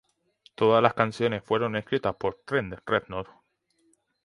Todas las canciones fueron escritas por Trent Reznor.